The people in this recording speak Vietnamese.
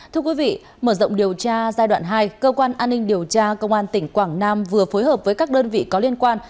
thưa quý vị mở rộng điều tra giai đoạn hai cơ quan an ninh điều tra công an tỉnh quảng nam vừa phối hợp với các đơn vị có liên quan